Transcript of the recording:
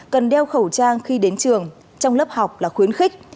cần đeo khẩu trang khi đến trường trong lớp học là khuyến khích